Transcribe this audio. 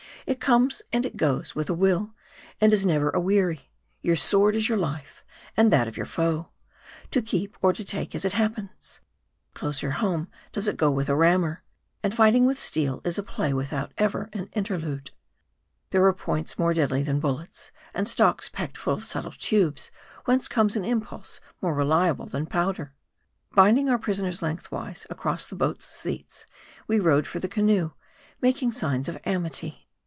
It comes and it goes with a will, and is never a weary. Your sword is your life, and that of your foe ; to keep or to take as it happens. Closer home does it go than a rammer ; and fighting with steel is a play without ever an interlude. There are points more deadly than bullets ; and stocks packed full of subtle tubes, whence comes an impulse more reliable than powder. Binding our prisoners lengthwise across the boat's seats, we rowed for the canoe, making signs of amity.